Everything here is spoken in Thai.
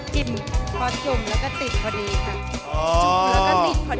พอจุ่มแล้วก็ติดพอดีค่ะ